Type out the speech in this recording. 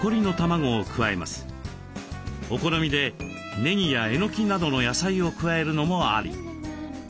お好みでねぎやえのきなどの野菜を加えるのもあり。